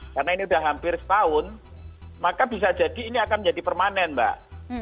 karena ini udah hampir setahun maka bisa jadi ini akan jadi permanen mbak